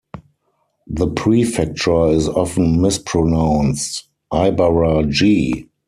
The prefecture is often mispronounced "Ibara"gi".